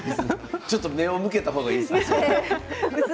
ちょっと目を向けた方がいいです。